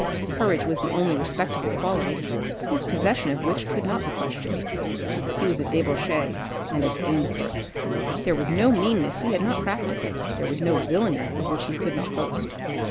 Courage was the only respectable quality, his possession of which could not be questioned. He was a debauchee and a gamester. There was no meanness he had not practised, there was no villainy of which he could not boast.